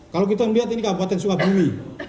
kalau kita melihat ini kabupaten sukabumi